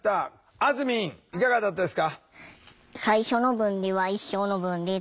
あずみんいかがだったですか？